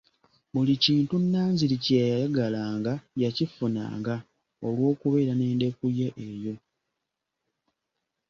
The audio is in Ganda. Buli kintu Nanziri kye yayagalanga yakifunanga olw'okubeera n'endeku ye eyo.